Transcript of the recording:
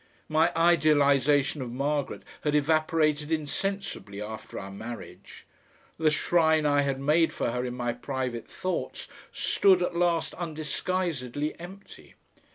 My idealisation of Margaret had evaporated insensibly after our marriage. The shrine I had made for her in my private thoughts stood at last undisguisedly empty.